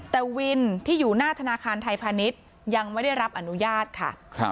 แต่วินที่อยู่หน้าธนาคารไทยพาณิชย์ยังไม่ได้รับอนุญาตค่ะ